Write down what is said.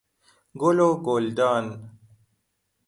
گل و گلدان